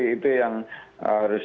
itu yang harus